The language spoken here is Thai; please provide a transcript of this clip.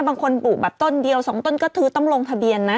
บางคนปลูกแบบต้นเดียว๒ต้นก็คือต้องลงทะเบียนนะ